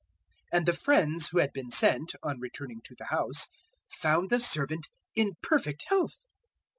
007:010 And the friends who had been sent, on returning to the house, found the servant in perfect health.